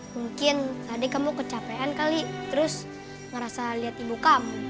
mungkin tadi kamu kecapean kali terus ngerasa liat ibu kamu